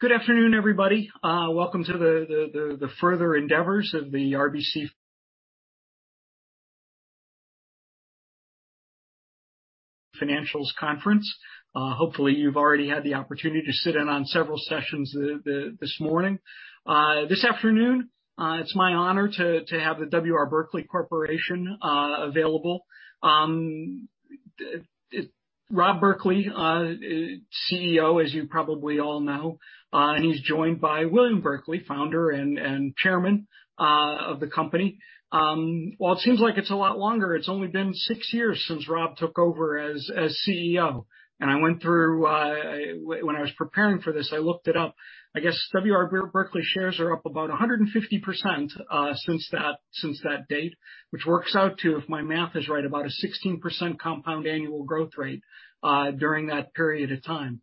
Good afternoon, everybody. Welcome to the further endeavors of the RBC Financials Conference. Hopefully, you've already had the opportunity to sit in on several sessions this morning. This afternoon, it's my honor to have the W. R. Berkley Corporation available. Rob Berkley, CEO, as you probably all know, and he's joined by William Berkley, founder and chairman of the company. While it seems like it's a lot longer, it's only been six years since Rob took over as CEO. When I was preparing for this, I looked it up, I guess W. R. Berkley shares are up about 150% since that date, which works out to, if my math is right, about a 16% compound annual growth rate, during that period of time.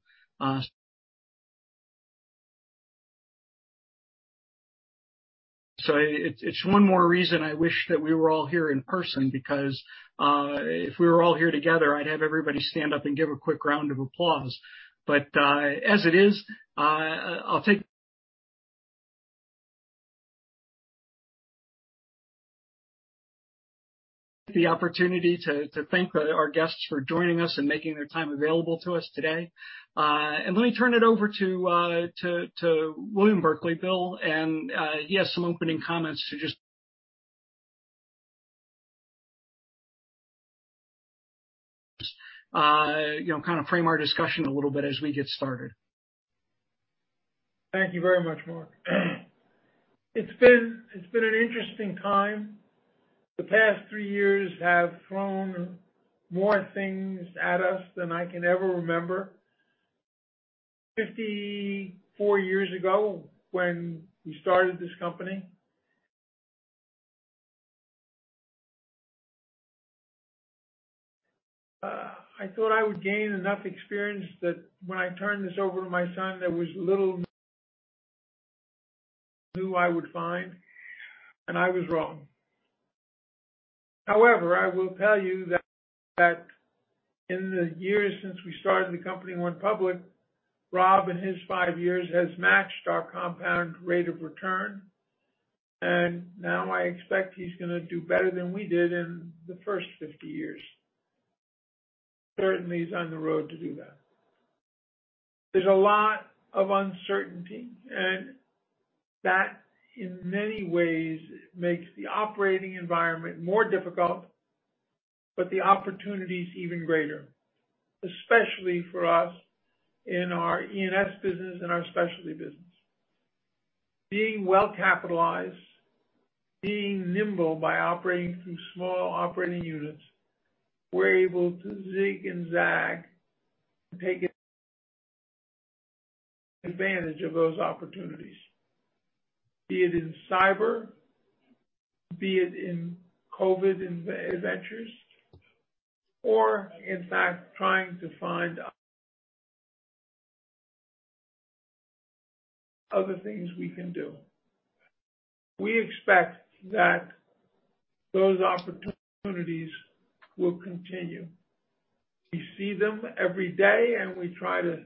It's one more reason I wish that we were all here in person because, if we were all here together, I'd have everybody stand up and give a quick round of applause. As it is, I'll take the opportunity to thank our guests for joining us and making their time available to us today. Let me turn it over to William Berkley. Bill, and he has some opening comments to just kind of frame our discussion a little bit as we get started. Thank you very much, Mark. It's been an interesting time. The past three years have thrown more things at us than I can ever remember. 54 years ago, when we started this company, I thought I would gain enough experience that when I turned this over to my son, there was little new I would find, and I was wrong. However, I will tell you that in the years since we started the company and went public, Rob, in his five years, has matched our compound rate of return, and now I expect he's going to do better than we did in the first 50 years. Certainly is on the road to do that. There's a lot of uncertainty, and that, in many ways, makes the operating environment more difficult, but the opportunities even greater, especially for us in our E&S business and our specialty business. Being well-capitalized, being nimble by operating through small operating units, we're able to zig and zag and take advantage of those opportunities. Be it in cyber, be it in COVID ventures or, in fact, trying to find other things we can do. We expect that those opportunities will continue. We see them every day, and we try to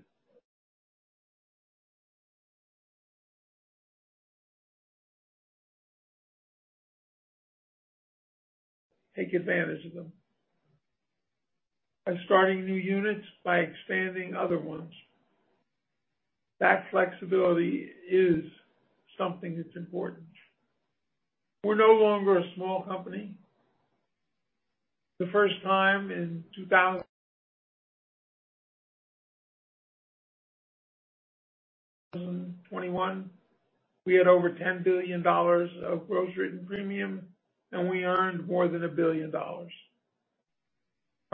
take advantage of them. By starting new units, by expanding other ones. That flexibility is something that's important. We're no longer a small company. The first time in 2021, we had over $10 billion of gross written premium, and we earned more than $1 billion.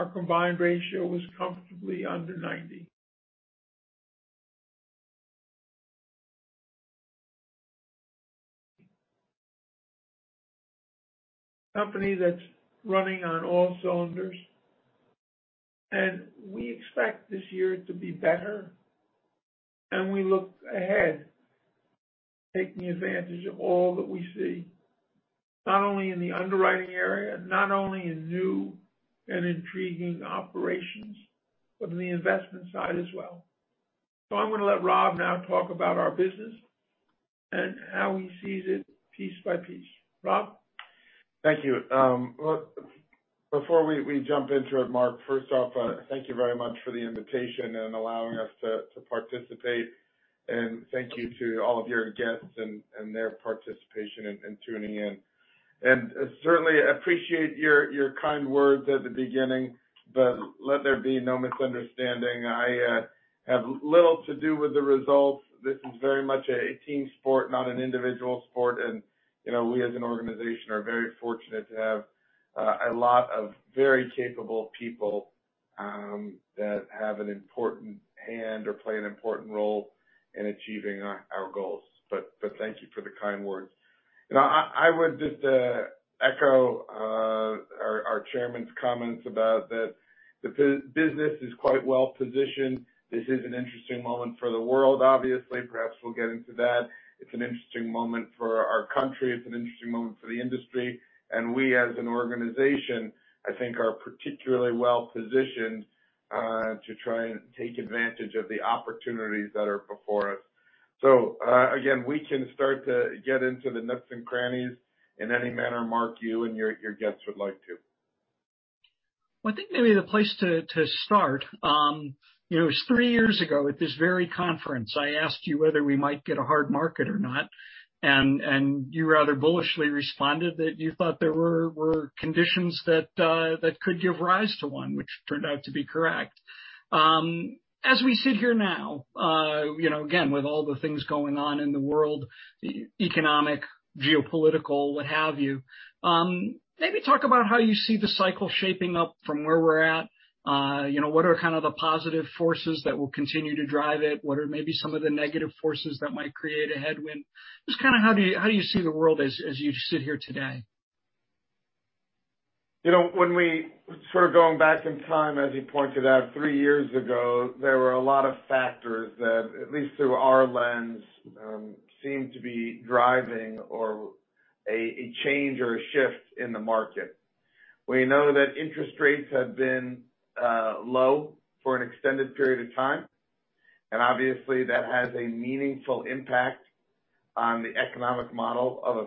Our combined ratio was comfortably under 90. Company that's running on all cylinders. We expect this year to be better. We look ahead, taking advantage of all that we see, not only in the underwriting area, not only in new and intriguing operations, but in the investment side as well. I'm going to let Rob now talk about our business and how he sees it piece by piece. Rob? Thank you. Before we jump into it, Mark, first off, thank you very much for the invitation and allowing us to participate, and thank you to all of your guests and their participation in tuning in. Certainly appreciate your kind words at the beginning. Let there be no misunderstanding. I have little to do with the results. This is very much a team sport, not an individual sport. We, as an organization, are very fortunate to have a lot of very capable people that have an important hand or play an important role in achieving our goals. Thank you for the kind words. I would just echo our Chairman's comments about that the business is quite well-positioned. This is an interesting moment for the world, obviously. Perhaps we'll get into that. It's an interesting moment for our country. It's an interesting moment for the industry. We, as an organization, I think, are particularly well-positioned to try and take advantage of the opportunities that are before us. Again, we can start to get into the nooks and crannies in any manner, Mark, you and your guests would like to. Well, I think maybe the place to start, it was three years ago at this very conference, I asked you whether we might get a hard market or not. You rather bullishly responded that you thought there were conditions that could give rise to one, which turned out to be correct. As we sit here now, again, with all the things going on in the world, economic, geopolitical, what have you, maybe talk about how you see the cycle shaping up from where we're at. What are kind of the positive forces that will continue to drive it? What are maybe some of the negative forces that might create a headwind? Just how do you see the world as you sit here today? When we start going back in time, as you pointed out, 3 years ago, there were a lot of factors that, at least through our lens, seemed to be driving a change or a shift in the market. We know that interest rates have been low for an extended period of time, and obviously that has a meaningful impact on the economic model of a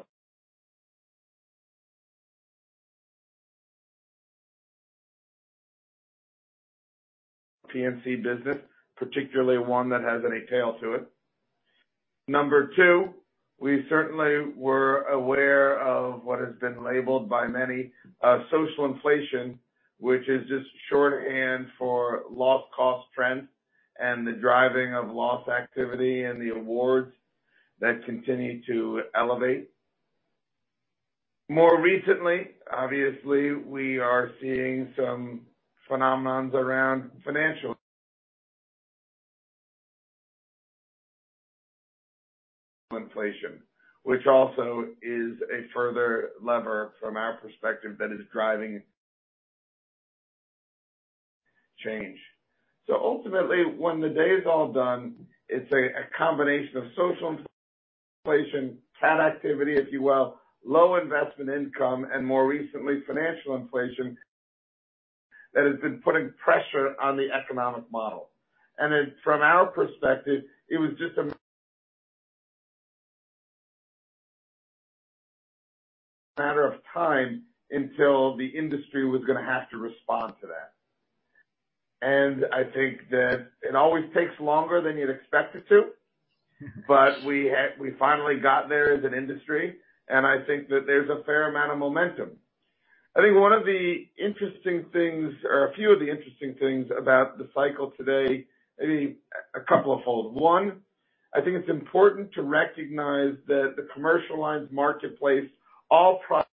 P&C business, particularly one that has any tail to it. Number two, we certainly were aware of what has been labeled by many, social inflation, which is just shorthand for loss cost trends and the driving of loss activity and the awards that continue to elevate. More recently, obviously, we are seeing some phenomenons around financial inflation, which also is a further lever from our perspective that is driving change. Ultimately, when the day is all done, it's a combination of social inflation, cat activity, if you will, low investment income, and more recently, financial inflation that has been putting pressure on the economic model. From our perspective, it was just a matter of time until the industry was going to have to respond to that. I think that it always takes longer than you'd expect it to, but we finally got there as an industry, and I think that there's a fair amount of momentum. I think one of the interesting things, or a few of the interesting things about the cycle today, maybe a couple of fold. One, I think it's important to recognize that the commercial lines marketplace, all products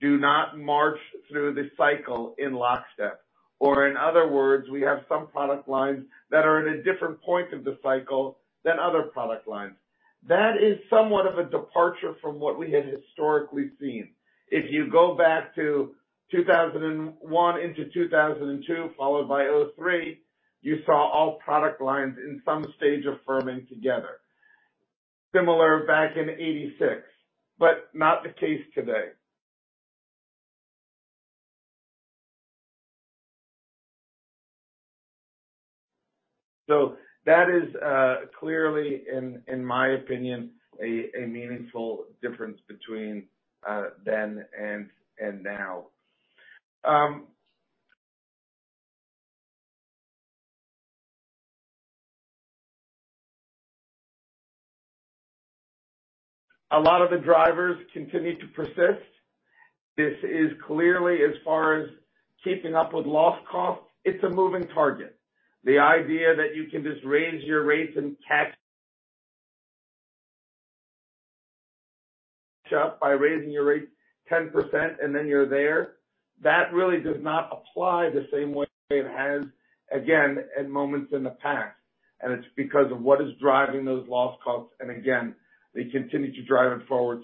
do not march through the cycle in lockstep, or in other words, we have some product lines that are at a different point of the cycle than other product lines. That is somewhat of a departure from what we had historically seen. If you go back to 2001 into 2002, followed by 2003, you saw all product lines in some stage of firming together. Similar back in 1986, but not the case today. That is clearly, in my opinion, a meaningful difference between then and now. A lot of the drivers continue to persist. This is clearly as far as keeping up with loss cost. It's a moving target. The idea that you can just raise your rates and catch up by raising your rate 10%, and then you're there, that really does not apply the same way it has, again, in moments in the past, and it's because of what is driving those loss costs, and again, they continue to drive it forward.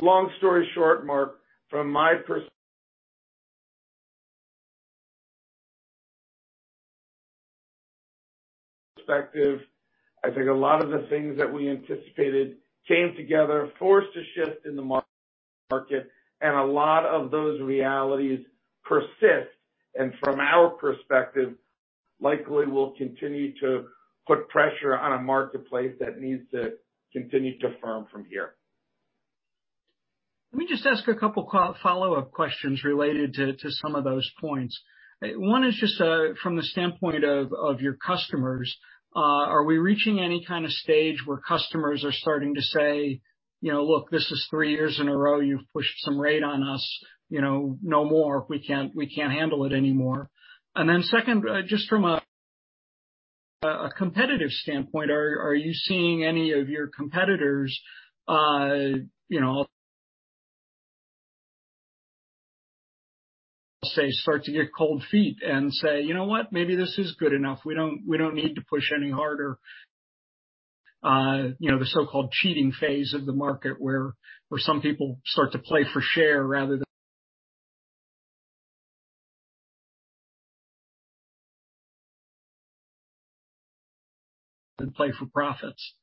Long story short, Mark, from my perspective, I think a lot of the things that we anticipated came together, forced a shift in the market, and a lot of those realities persist, and from our perspective, likely will continue to put pressure on a marketplace that needs to continue to firm from here. Let me just ask a couple follow-up questions related to some of those points. One is just from the standpoint of your customers. Are we reaching any kind of stage where customers are starting to say, "Look, this is three years in a row you've pushed some rate on us. No more. We can't handle it anymore." Second, just from a competitive standpoint, are you seeing any of your competitors, I'll say, start to get cold feet and say, "You know what? Maybe this is good enough. We don't need to push any harder." The so-called cheating phase of the market where some people start to play for share rather than play for profits.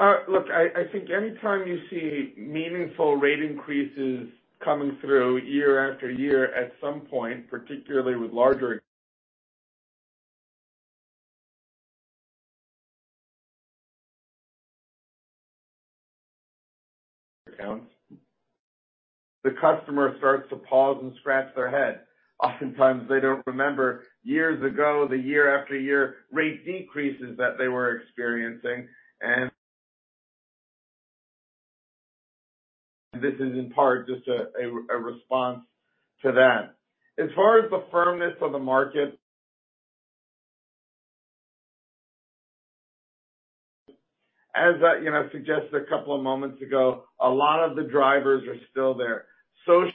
I think anytime you see meaningful rate increases coming through year after year, at some point, particularly with larger accounts, the customer starts to pause and scratch their head. Oftentimes, they don't remember years ago, the year after year rate decreases that they were experiencing, and this is in part just a response to that. As far as the firmness of the market, as I suggested a couple of moments ago, a lot of the drivers are still there. Social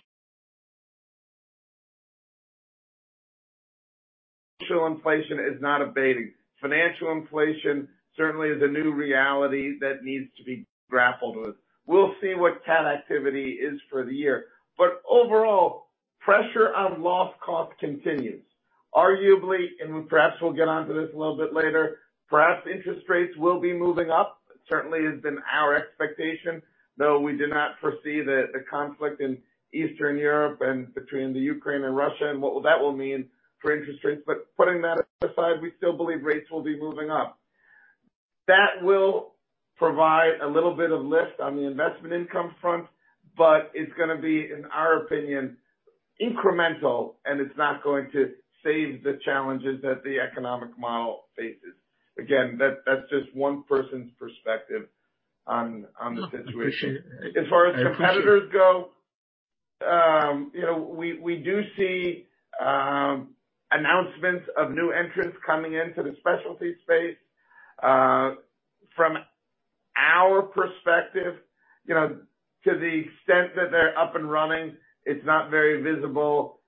inflation is not abating. Financial inflation certainly is a new reality that needs to be grappled with. We'll see what CAT activity is for the year. Overall, pressure on loss cost continues. Arguably, perhaps we'll get onto this a little bit later, perhaps interest rates will be moving up. Certainly, it's been our expectation, though we did not foresee the conflict in Eastern Europe and between the Ukraine and Russia and what that will mean for interest rates. Putting that aside, we still believe rates will be moving up. That will provide a little bit of lift on the investment income front, but it's going to be, in our opinion, incremental, and it's not going to save the challenges that the economic model faces. Again, that's just one person's perspective on the situation. I appreciate it. As far as competitors go, we do see announcements of new entrants coming into the specialty space. From our perspective, to the extent that they're up and running, it's not very visible.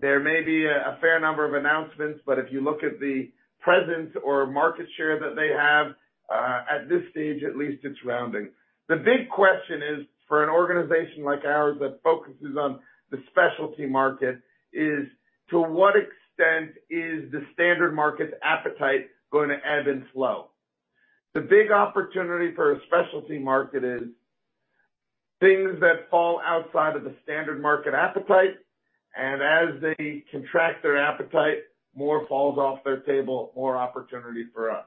There may be a fair number of announcements, but if you look at the presence or market share that they have, at this stage, at least, it's rounding. The big question is for an organization like ours that focuses on the specialty market is, to what extent is the standard market's appetite going to ebb and flow? The big opportunity for a specialty market is things that fall outside of the standard market appetite, and as they contract their appetite, more falls off their table, more opportunity for us.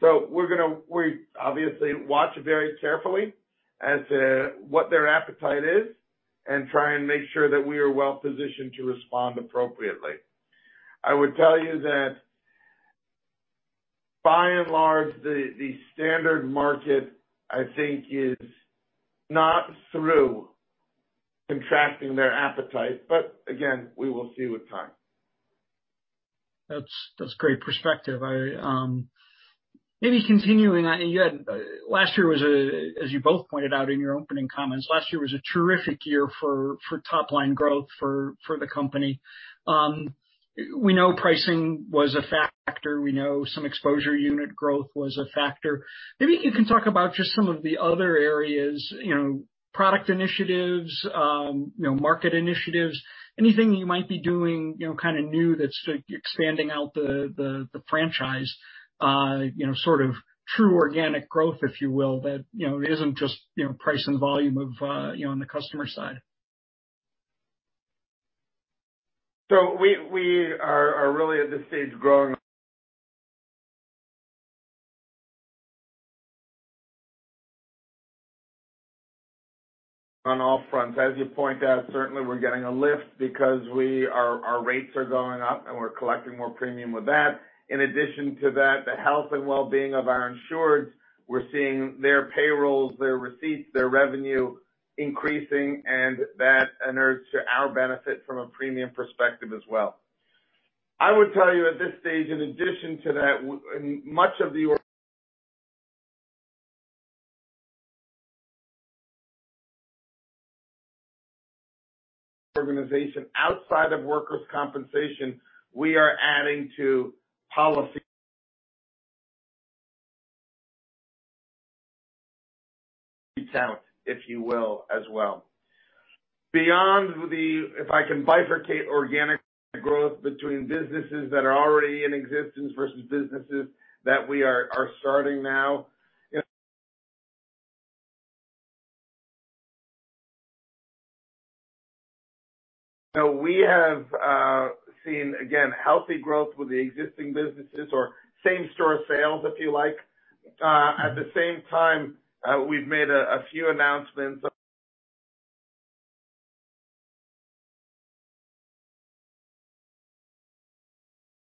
We obviously watch very carefully as to what their appetite is and try and make sure that we are well positioned to respond appropriately. I would tell you that by and large, the standard market, I think, is not through contracting their appetite. Again, we will see with time. That's great perspective. Maybe continuing, last year was, as you both pointed out in your opening comments, last year was a terrific year for top-line growth for the company. We know pricing was a factor. We know some exposure unit growth was a factor. Maybe you can talk about just some of the other areas, product initiatives, market initiatives, anything you might be doing kind of new that's expanding out the franchise, sort of true organic growth, if you will, that isn't just price and volume on the customer side. We are really at this stage growing on all fronts. As you point out, certainly we're getting a lift because our rates are going up and we're collecting more premium with that. In addition to that, the health and wellbeing of our insureds, we're seeing their payrolls, their receipts, their revenue increasing, and that inures to our benefit from a premium perspective as well. I would tell you at this stage, in addition to that, much of the organization outside of workers' compensation, we are adding to policy count, if you will, as well. Beyond the, if I can bifurcate organic growth between businesses that are already in existence versus businesses that we are starting now, we have seen, again, healthy growth with the existing businesses or same-store sales, if you like. At the same time, we've made a few announcements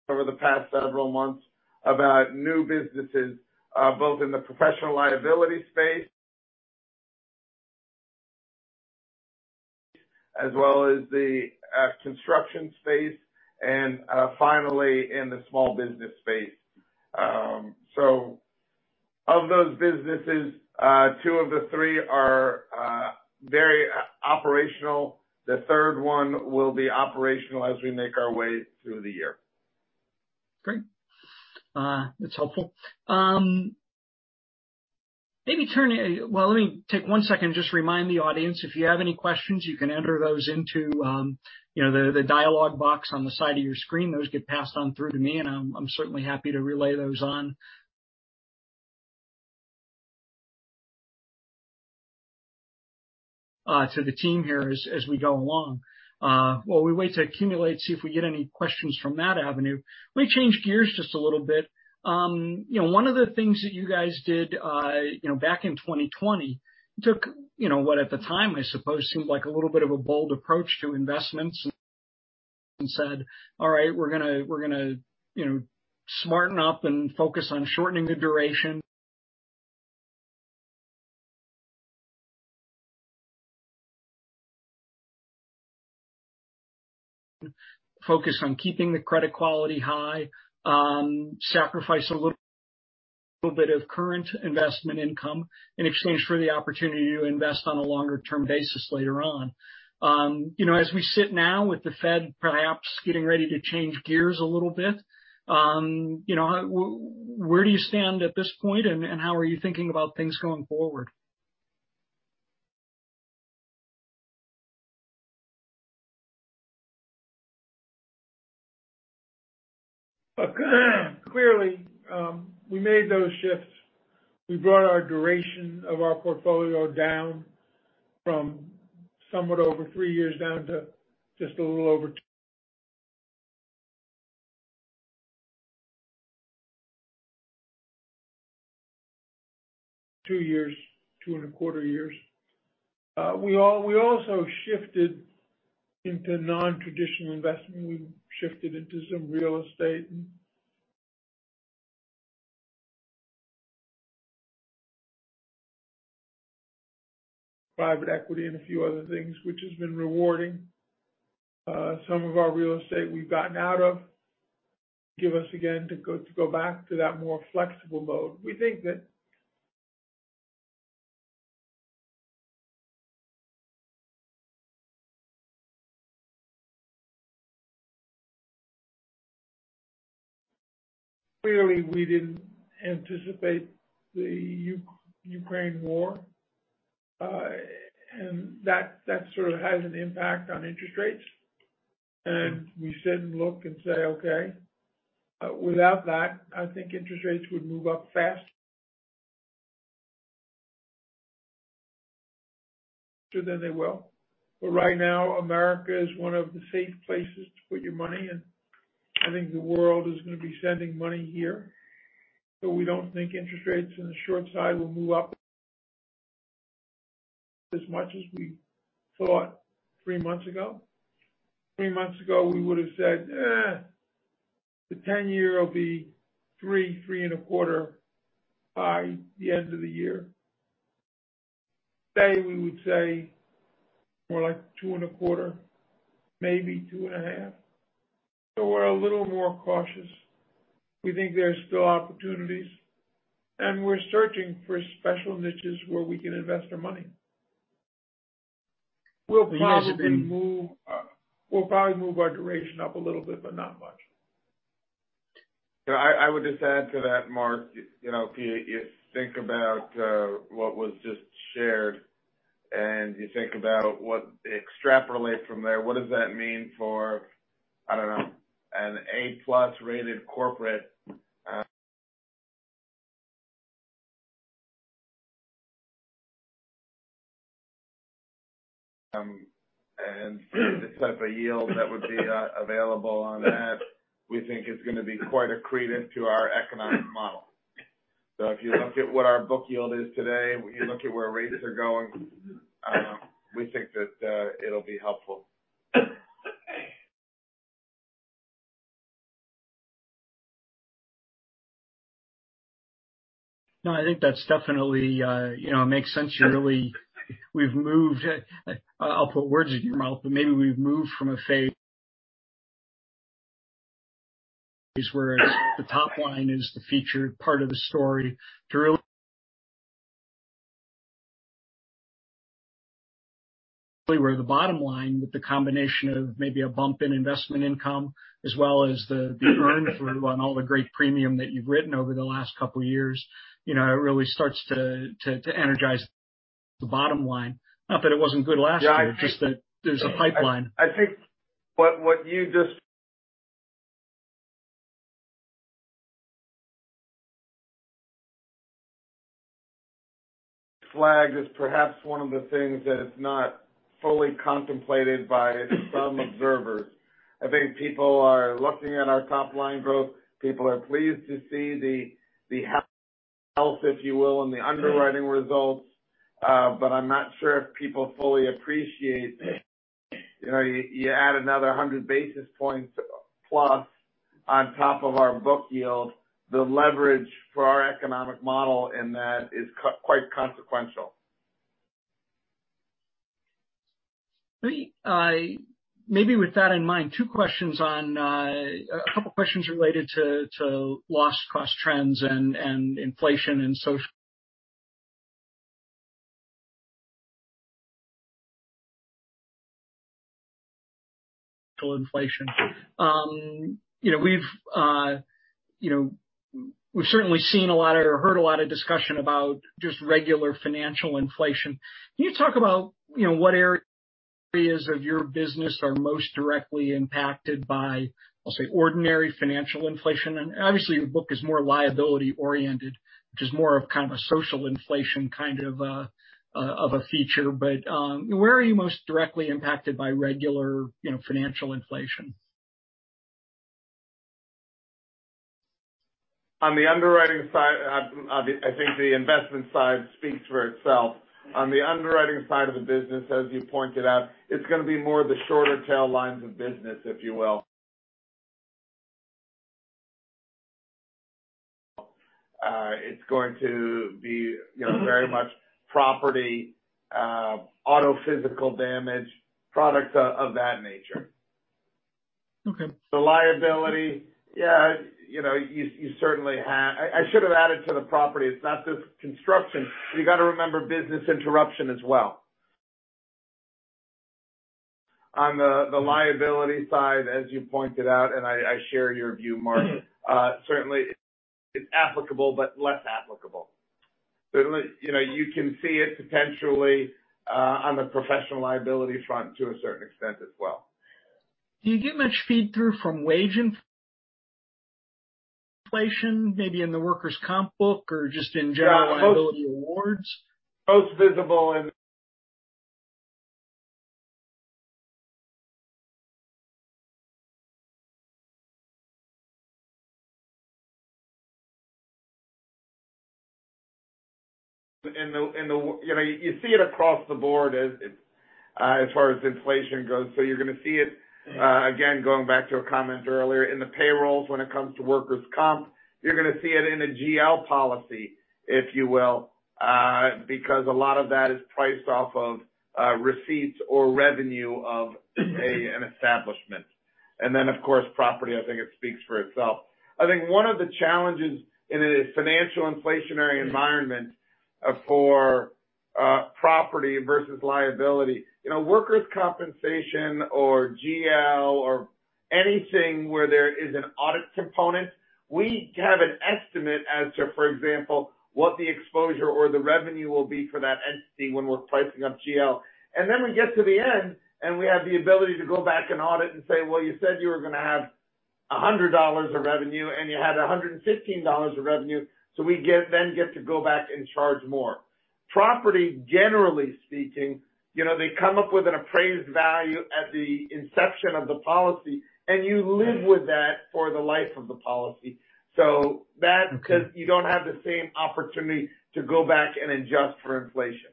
over the past several months about new businesses, both in the professional liability space as well as the construction space, and finally, in the small business space. Of those businesses, two of the three are very operational. The third one will be operational as we make our way through the year. Great. That's helpful. Well, let me take one second, just remind the audience, if you have any questions, you can enter those into the dialogue box on the side of your screen. Those get passed on through to me, and I'm certainly happy to relay those on to the team here as we go along. While we wait to accumulate, see if we get any questions from that avenue, let me change gears just a little bit. One of the things that you guys did back in 2020 took what at the time, I suppose, seemed like a little bit of a bold approach to investments and said, "All right. We're going to smarten up and focus on shortening the duration. Focus on keeping the credit quality high. Sacrifice a little bit of current investment income in exchange for the opportunity to invest on a longer-term basis later on." As we sit now with the Fed perhaps getting ready to change gears a little bit, where do you stand at this point, and how are you thinking about things going forward? Clearly, we made those shifts. We brought our duration of our portfolio down from somewhat over three years down to just a little over two years, two and a quarter years. We also shifted into non-traditional investing. We shifted into some real estate and private equity and a few other things, which has been rewarding. Some of our real estate we've gotten out of give us again to go back to that more flexible mode. We think that clearly we didn't anticipate the Ukraine war, and that sort of has an impact on interest rates. We sit and look and say, "Okay." Without that, I think interest rates would move up faster than they will. Right now, America is one of the safe places to put your money, and I think the world is going to be sending money here. We don't think interest rates in the short side will move up as much as we thought three months ago. Three months ago, we would've said, "Eh, the 10-year will be three and a quarter by the end of the year." Today, we would say more like two and a quarter, maybe two and a half. We're a little more cautious. We think there's still opportunities, and we're searching for special niches where we can invest our money. We'll probably move our duration up a little bit, but not much. I would just add to that, Mark. If you think about what was just shared and you think about what, extrapolate from there, what does that mean for, I don't know, an A-plus rated corporate and the type of yield that would be available on that, we think is going to be quite accretive to our economic model. If you look at what our book yield is today, you look at where rates are going, we think that it'll be helpful. I think that definitely makes sense. I'll put words in your mouth, but maybe we've moved from a phase where the top line is the featured part of the story to really where the bottom line with the combination of maybe a bump in investment income as well as the earned premium and all the great premium that you've written over the last couple of years, it really starts to energize the bottom line. Not that it wasn't good last year, just that there's a pipeline. I think what you just flagged is perhaps one of the things that is not fully contemplated by some observers. I think people are looking at our top-line growth. People are pleased to see the health, if you will, and the underwriting results. I'm not sure if people fully appreciate, you add another 100 basis points plus on top of our book yield, the leverage for our economic model in that is quite consequential. Maybe with that in mind, a couple of questions related to loss cost trends and inflation and social inflation. We've certainly seen a lot or heard a lot of discussion about just regular financial inflation. Can you talk about what are areas of your business are most directly impacted by, I'll say, ordinary financial inflation. Obviously, your book is more liability oriented, which is more of a social inflation kind of a feature. Where are you most directly impacted by regular financial inflation, Mark? On the underwriting side, I think the investment side speaks for itself. On the underwriting side of the business, as you pointed out, it's going to be more the shorter tail lines of business, if you will. It's going to be very much property, auto physical damage, products of that nature. Okay. The liability, yeah, I should have added to the property. It's not just construction. You got to remember business interruption as well. On the liability side, as you pointed out, and I share your view, Mark, certainly it's applicable, but less applicable. You can see it potentially on the professional liability front to a certain extent as well. Do you get much feed through from wage inflation, maybe in the workers' comp book or just in general liability awards? Most visible in, you see it across the board as far as inflation goes. You're going to see it, again, going back to a comment earlier, in the payrolls, when it comes to workers' comp. You're going to see it in a GL policy, if you will, because a lot of that is priced off of receipts or revenue of an establishment. Of course, property, I think it speaks for itself. I think one of the challenges in a financial inflationary environment for property versus liability. Workers' compensation or GL or anything where there is an audit component, we have an estimate as to, for example, what the exposure or the revenue will be for that entity when we're pricing up GL. We get to the end, and we have the ability to go back and audit and say, "Well, you said you were going to have $100 of revenue, and you had $115 of revenue." We then get to go back and charge more. Property, generally speaking, they come up with an appraised value at the inception of the policy, and you live with that for the life of the policy. Okay because you don't have the same opportunity to go back and adjust for inflation.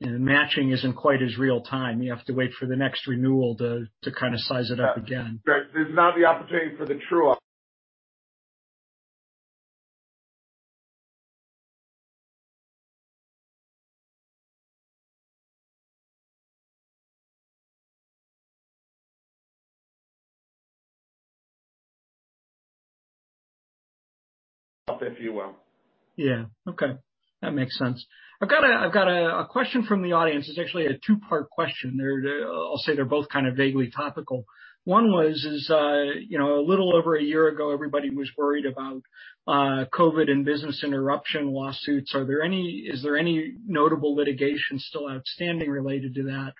Yeah. The matching isn't quite as real time. You have to wait for the next renewal to size it up again. Right. There's not the opportunity for the true up, if you will. Yeah. Okay. That makes sense. I've got a question from the audience. It's actually a two-part question. I'll say they're both vaguely topical. One was, a little over a year ago, everybody was worried about COVID and business interruption lawsuits. Is there any notable litigation still outstanding related to that?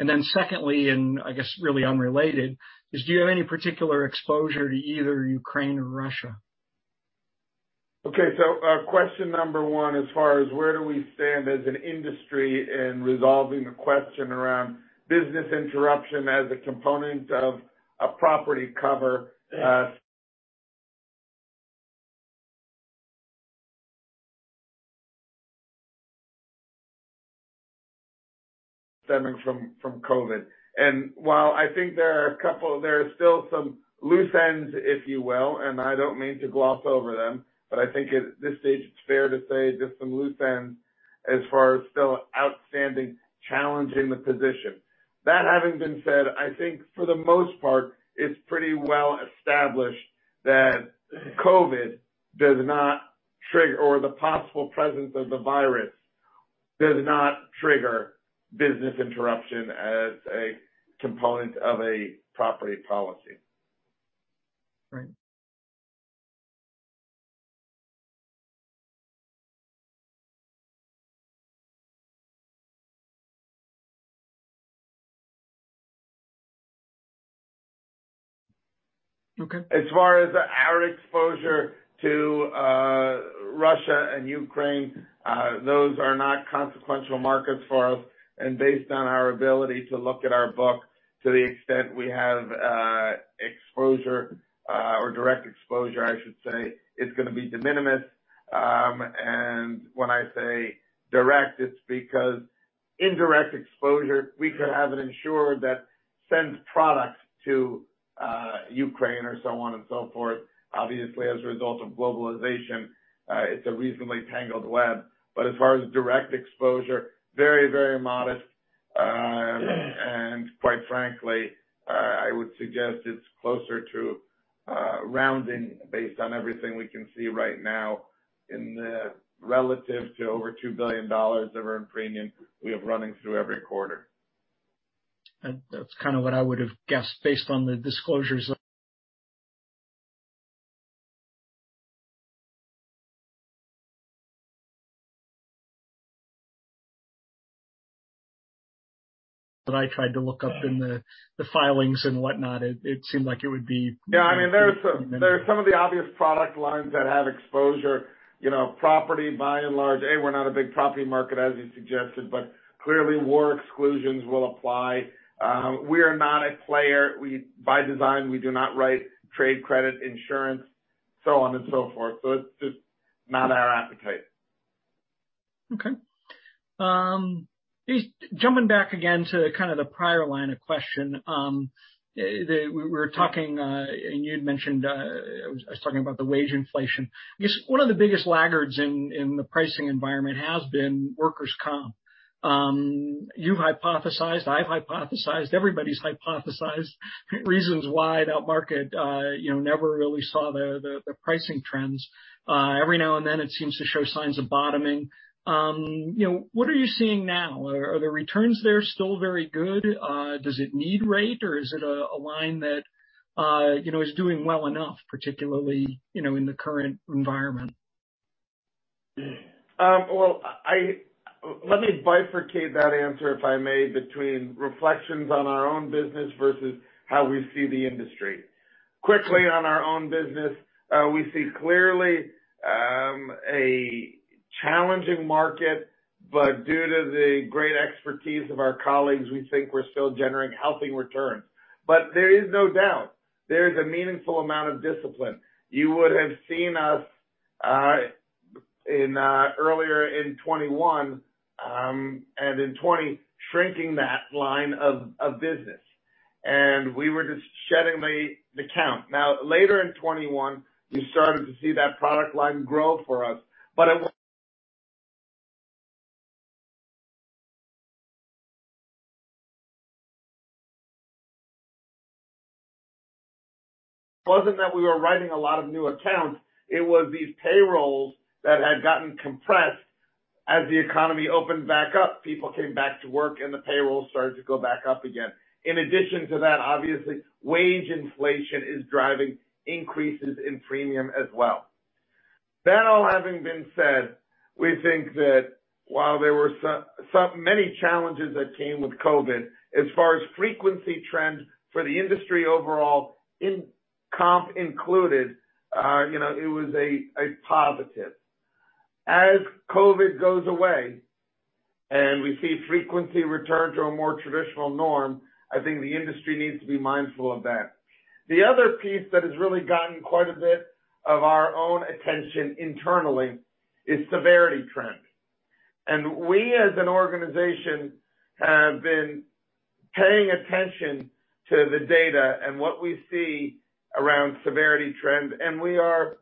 And then secondly, and I guess really unrelated, is do you have any particular exposure to either Ukraine or Russia? Okay. Question number one, as far as where do we stand as an industry in resolving the question around business interruption as a component of a property cover stemming from COVID. While I think there are still some loose ends, if you will, and I don't mean to gloss over them, but I think at this stage it's fair to say just some loose ends as far as still outstanding challenging the position. That having been said, I think for the most part, it's pretty well established that COVID does not trigger, or the possible presence of the virus does not trigger business interruption as a component of a property policy. Right. Okay. As far as our exposure to Russia and Ukraine, those are not consequential markets for us. Based on our ability to look at our book to the extent we have exposure, or direct exposure I should say, it's going to be de minimis. When I say direct, it's because indirect exposure, we could have an insured that sends products to Ukraine or so on and so forth. Obviously, as a result of globalization, it's a reasonably tangled web. As far as direct exposure, very modest. Yeah. Quite frankly, I would suggest it's closer to rounding based on everything we can see right now in the relative to over $2 billion of earned premium we have running through every quarter. That's what I would've guessed based on the disclosures that I tried to look up in the filings and whatnot. It seemed like it would be. Yeah, there are some of the obvious product lines that have exposure. Property, by and large, we're not a big property market, as you suggested, clearly war exclusions will apply. We are not a player. By design, we do not write trade credit insurance, so on and so forth. It's just not our appetite. Okay. Just jumping back again to kind of the prior line of question. We were talking, and you had mentioned, I was talking about the wage inflation. I guess one of the biggest laggards in the pricing environment has been workers' comp. You hypothesized, I've hypothesized, everybody's hypothesized reasons why that market never really saw the pricing trends. Every now and then it seems to show signs of bottoming. What are you seeing now? Are the returns there still very good? Does it need rate or is it a line that is doing well enough, particularly in the current environment? Well, let me bifurcate that answer, if I may, between reflections on our own business versus how we see the industry. Quickly on our own business, we see clearly a challenging market, but due to the great expertise of our colleagues, we think we're still generating healthy returns. There is no doubt there is a meaningful amount of discipline. You would have seen us earlier in 2021, and in 2020, shrinking that line of business, and we were just shedding the count. Later in 2021, you started to see that product line grow for us. It wasn't that we were writing a lot of new accounts. It was these payrolls that had gotten compressed. As the economy opened back up, people came back to work and the payroll started to go back up again. In addition to that, obviously, wage inflation is driving increases in premium as well. That all having been said, we think that while there were many challenges that came with COVID, as far as frequency trends for the industry overall, comp included, it was a positive. As COVID goes away and we see frequency return to a more traditional norm, I think the industry needs to be mindful of that. The other piece that has really gotten quite a bit of our own attention internally is severity trend. We as an organization have been paying attention to the data and what we see around severity trend, and we are,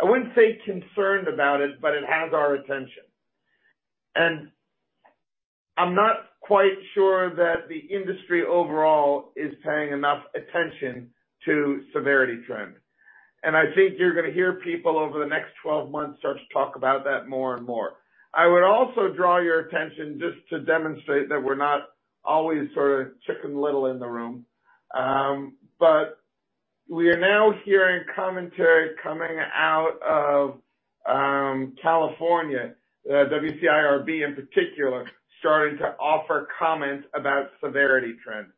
I wouldn't say concerned about it, but it has our attention. I'm not quite sure that the industry overall is paying enough attention to severity trend. I think you're going to hear people over the next 12 months start to talk about that more and more. I would also draw your attention just to demonstrate that we're not always sort of Chicken Little in the room. We are now hearing commentary coming out of California, WCIRB in particular, starting to offer comments about severity trends.